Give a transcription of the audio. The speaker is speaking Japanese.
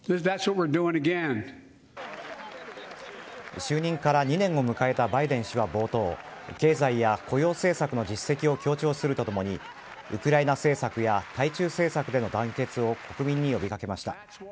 就任から２年を迎えたバイデン氏は冒頭経済や雇用政策の実績を強調するとともにウクライナ政策や対中政策での団結を国民に呼び掛けました。